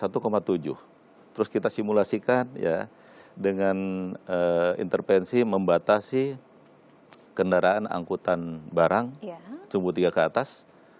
terus kita simulasikan dengan intervensi membatasi kendaraan angkutan barang tumbuh tiga ke atas